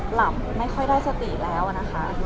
หลับไม่ค่อยได้สติแล้วนะคะ